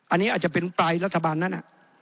อันนี้อาจจะเป็นปลายรัฐบาลนั้น